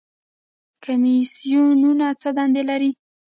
کمیسیونونه څه دنده لري؟